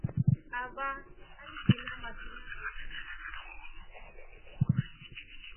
Avaa alifina mafina mesha.